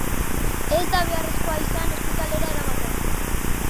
Ez da beharrezkoa izan ospitalera eramatea.